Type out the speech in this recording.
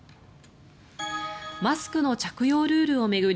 マスクの着用ルールを巡り